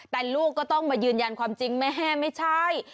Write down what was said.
แต่ลูกก็ต้องมายืนยันความจริงแม่ไม่ใช่